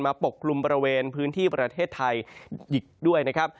ปกกลุ่มบริเวณพื้นที่ประเทศไทยอีกด้วยนะครับ